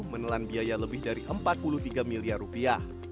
menelan biaya lebih dari empat puluh tiga miliar rupiah